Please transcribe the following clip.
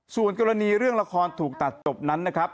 ส่วนกรณีเรื่องละครถูกตัดจบนั้นนะครับ